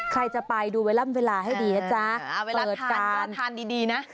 ใครจะไปดูเวลาให้ดีนะจ๊ะเวลาทานดีนะ